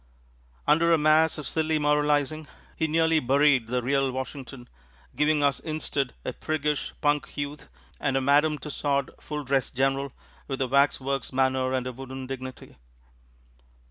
Under a mass of silly moralizing, he nearly buried the real Washington, giving us instead a priggish, punk youth, and a Madame Tussaud, full dress general, with a wax works manner and a wooden dignity.